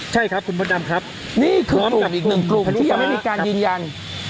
ใช่ครับคุณมดดำครับนี่คือกลุ่มอีกหนึ่งกลุ่มที่ยังไม่มีการยืนยัน